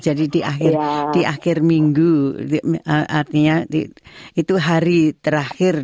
jadi di akhir minggu artinya itu hari terakhir